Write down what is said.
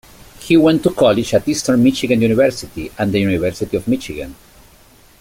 He went to college at Eastern Michigan University and the University of Michigan.